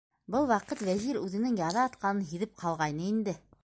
- Был ваҡыт Вәзир үҙенең яҙа атҡанын һиҙеп ҡалғайны инде.